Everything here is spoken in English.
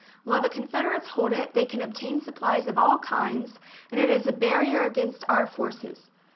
While the Confederates hold it, they can ob tain supplies of all kinds, and it is a barrier against our forces."